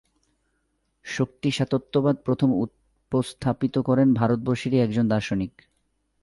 শক্তি-সাতত্যবাদ প্রথম উপস্থাপিত করেন ভারতবর্ষেরই একজন দার্শনিক।